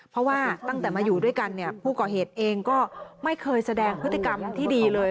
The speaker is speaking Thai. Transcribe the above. เพราะว่าตั้งแต่มาอยู่ด้วยกันเนี่ยผู้ก่อเหตุเองก็ไม่เคยแสดงพฤติกรรมที่ดีเลย